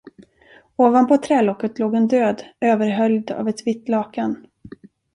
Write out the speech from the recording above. Ovanpå trälocket låg en död, överhöljd av ett vitt lakan.